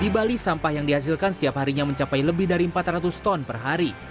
di bali sampah yang dihasilkan setiap harinya mencapai lebih dari empat ratus sumber